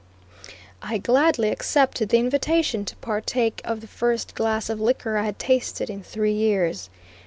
I gladly accepted the invitation to partake of the first glass of liquor I had tasted in three years.